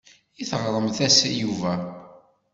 I teɣremt-as i Yuba?